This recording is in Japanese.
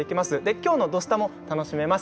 今日の「土スタ」も楽しめます。